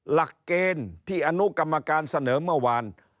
หลักเกณฑ์ที่อนุกรรมการเสนอเมื่อวาน